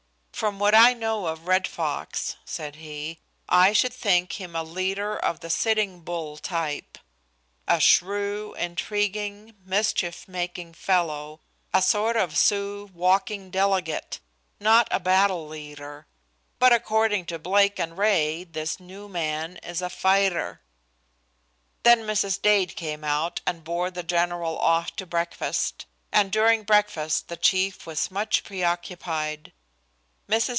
"From what I know of Red Fox," said he, "I should think him a leader of the Sitting Bull type, a shrew, intriguing, mischief making fellow, a sort of Sioux walking delegate, not a battle leader; but according to Blake and Ray this new man is a fighter." Then Mrs. Dade came out and bore the general off to breakfast, and during breakfast the chief was much preoccupied. Mrs.